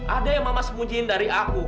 ada yang mama semujiin dari aku